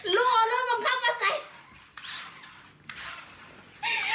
ลูกเอารถบังคับมาใส่